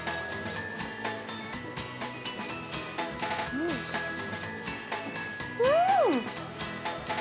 うん！うーん！